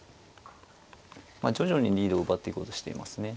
まあ徐々にリードを奪っていこうとしていますね。